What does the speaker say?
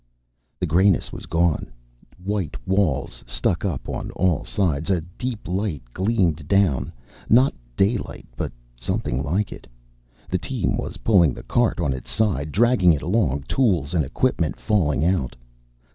_ The grayness was gone. White walls stuck up on all sides. A deep light gleamed down, not daylight but something like it. The team was pulling the cart on its side, dragging it along, tools and equipment falling out.